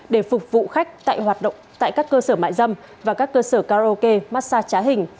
để phục vụ khách hoạt động tại các cơ sở mại dâm và các cơ sở karaoke massage trá hình